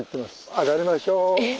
上がりましょう。